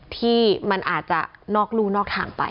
ที่มันอาจจะนอกรู่นอกทางไป